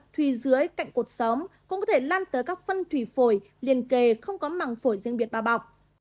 thủy dưới cạnh cột sống cũng có thể lan tới các phân thủy phổi liền kề không có mạng phổi riêng biệt ba bọc